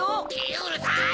うるさい！